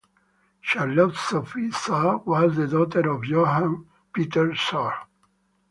Charlotte Sophie Suhr was the daughter of Johan Peter Suhr.